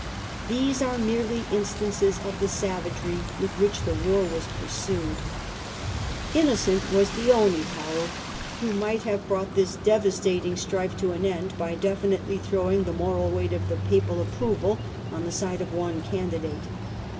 These are merely instances of the savagery with which the war was pursued. Innocent was the only power who might have brought THE CHILD OF MOTHER CHURCH 35 this devastating strife to an end by definitely throwing the moral weight of the Papal approval on the side of one candidate.